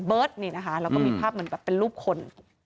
เป็นรูปคนเบิร์ดแล้วก็มีภาพเหมือนเป็นรูปคน